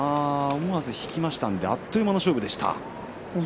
思わず引いてしまいましたあっという間の勝負でした。